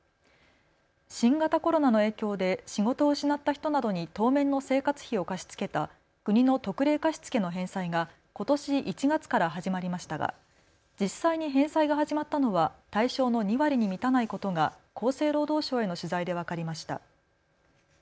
新型コロナの影響で仕事を失った人などに当面の生活費を貸し付けた国の特例貸付の返済がことし１月から始まりましたが実際に返済が始まったのは対象の２割に満たないことが厚生労働省への取材で分かりました。